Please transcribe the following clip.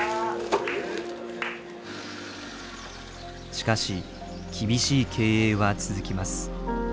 しかし厳しい経営は続きます。